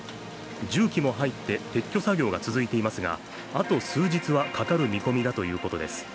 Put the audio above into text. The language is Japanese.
重機も入って撤去作業が続いていますがあと数日はかかる見込みだということです。